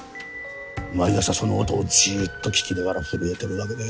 毎朝その音をじっと聞きながら震えてるわけで。